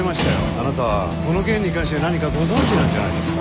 あなたはこの件に関して何かご存じなんじゃないですか？